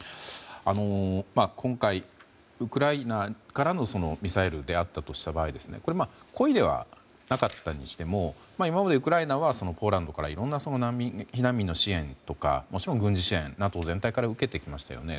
今回、ウクライナからのミサイルであったとした場合故意ではなかったにしても今までウクライナはポーランドからいろんな避難民の支援とかもちろん、軍事支援をＮＡＴＯ全体から受けてきましたよね。